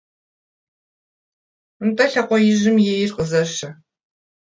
- АтӀэ лъакъуэ ижьым ейр къызэщэ.